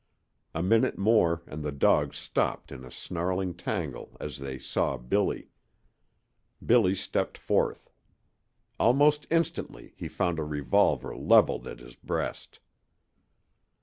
A minute more and the dogs stopped in a snarling tangle as they saw Billy. Billy stepped forth. Almost instantly he found a revolver leveled at his breast.